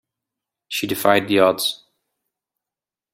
She's defied the odds.